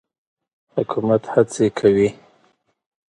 حکومت هڅې کوي.